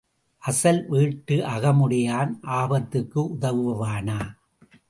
அசல் வீட்டு அகமுடையான் ஆபத்துக்கு உதவுவானா?